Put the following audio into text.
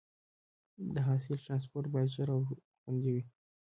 د حاصل ټرانسپورټ باید ژر او خوندي وي.